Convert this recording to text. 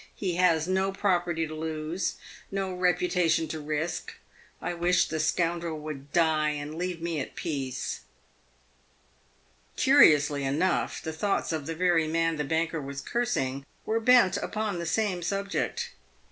He has no property to lose ; no reputation to risk. I wish the scoundrel would die and leave me at peace." Curiously enough, the thoughts of the very man the banker was cursing were bent upon the same subject.